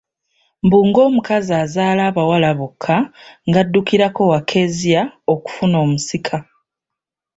Mbu ng'omukazi azaala abawala bokka ng'addukira wa Kezia okufuna omusika.